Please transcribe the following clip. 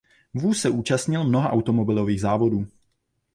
Vůz se účastnil mnoha automobilových závodů.